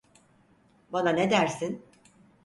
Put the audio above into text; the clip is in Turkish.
Bana ne dersin?